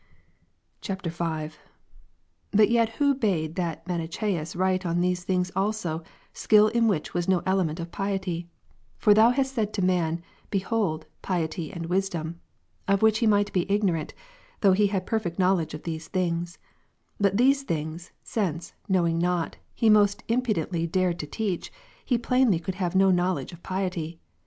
11,20. [V.] 8. But yet who bade that Manichseus SATite on these things also, skill in which was no element of piety ? For Job 28, Thou hast said to man, Behold, piety and wisdom ; of which liXX. he might be ignorant, though he had perfect knowledge of these things ; but these things, since, knowing not, he most impudently dared to teach, he plainly could have no know ledge of piety.